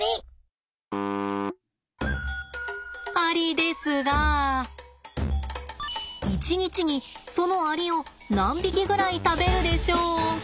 アリですが１日にそのアリを何匹ぐらい食べるでしょうか？